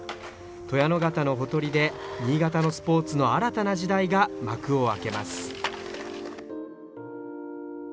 鳥屋野潟のほとりで新潟のスポーツの新たな時代が幕を開けます。